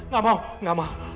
gak mau gak mau